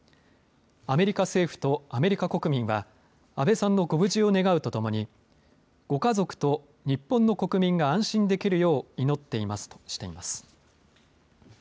アメリカ政府とアメリカ国民は安倍さんのご無事を願うとともにご家族と日本の国民が安心できるよう祈っていますとしています。